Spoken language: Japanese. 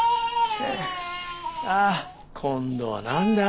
あ今度は何だ。